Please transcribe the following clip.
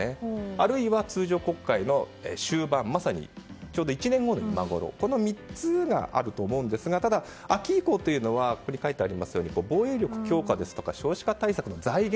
あるいは通常国会の終盤まさに１年後の今ごろこの３つがあると思いますがただ、秋以降というのは防衛力強化や少子化対策の財源